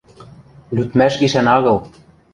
Лӱдмӓш гишӓн агыл.